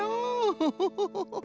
フフフフフ。